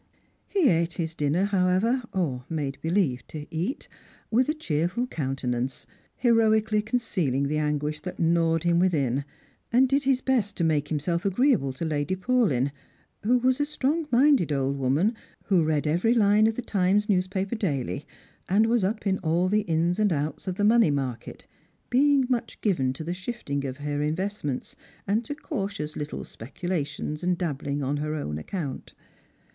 He ate his dinner, however, or made bleieve to eat, witli a cheerful countenance, heroically concealing the anguish that gnawed him within, and did his best to make himself agreeable to Lady Paulyn, who was a strong minded old woman, read every line of the Times news paper daily, and was up in all the ins and outs of the money market, being much given to the shifting of her investments, and to cautious little speculations and dabblings on her own account.